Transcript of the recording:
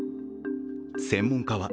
専門家は